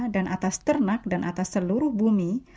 dan atas ternak dan atas seluruh bumi